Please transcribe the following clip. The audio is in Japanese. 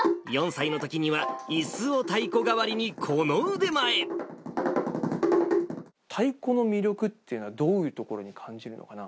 ４歳のときには、いすを太鼓太鼓の魅力っていうのは、どういうところに感じるのかな？